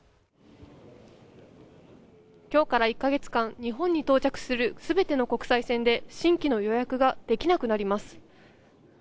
今日から１ヶ月間、日本に到着するすべての国際線で新規の予約ができなくなります。